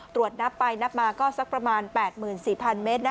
ตรวจนับไปนับมาก็สักประมาณ๘๔๐๐เมตร